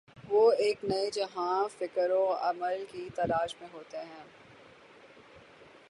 وہ ایک نئے جہان فکر و عمل کی تلاش میں ہوتے ہیں۔